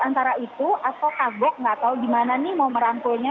antara itu atau kagok tidak tahu bagaimana mau merangkulnya